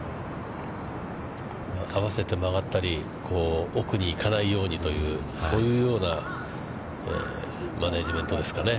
合わせて曲がったり、奥に行かないようにというそういうようなマネジメントですかね。